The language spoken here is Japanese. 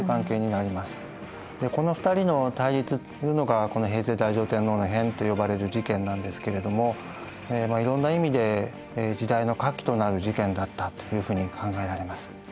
でこの２人の対立というのが平城太上天皇の変と呼ばれる事件なんですけれどもまあいろんな意味で時代の画期となる事件だったというふうに考えられます。